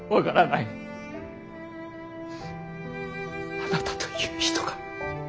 あなたという人が。